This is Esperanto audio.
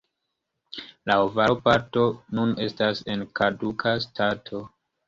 La ovala parto nun estas en kaduka stato.